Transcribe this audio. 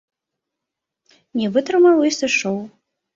Я не вытрымаў і сышоў.